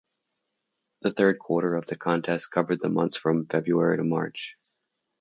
The third quarter of the contest covered the months from February to March.